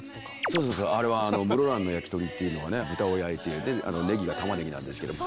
そうそうあれは室蘭のやきとりっていうのはね豚を焼いてねぎが玉ねぎなんですけど。